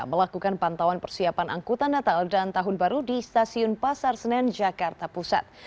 melakukan pantauan persiapan angkutan natal dan tahun baru di stasiun pasar senen jakarta pusat